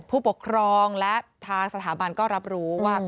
ผู้ปกครองและทางสถาบันก็รับรู้ว่า